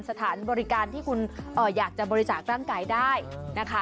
สถานบริการที่คุณอยากจะบริจาคร่างกายได้นะคะ